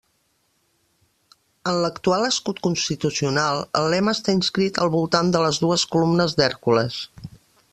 En l'actual escut constitucional, el lema està inscrit al voltant de les dues columnes d'Hèrcules.